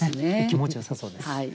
気持ちよさそうです。